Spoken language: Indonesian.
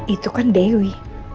itu kan dewi